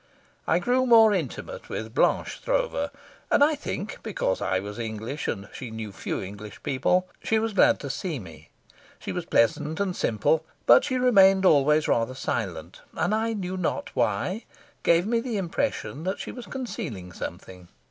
I grew more intimate with Blanche Stroeve, and I think, because I was English and she knew few English people, she was glad to see me. She was pleasant and simple, but she remained always rather silent, and I knew not why, gave me the impression that she was concealing something.